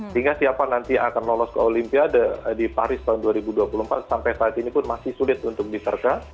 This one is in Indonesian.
sehingga siapa nanti yang akan lolos ke olimpiade di paris tahun dua ribu dua puluh empat sampai saat ini pun masih sulit untuk diserka